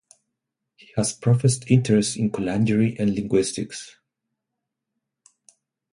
He has a professed interest in conlangery and linguistics.